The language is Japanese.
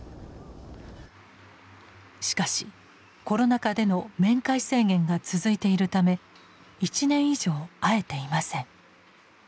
しかしコロナ禍での面会制限が続いているため１年以上会えていません。